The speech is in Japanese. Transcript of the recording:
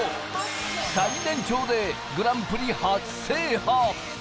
最年長でグランプリ初制覇。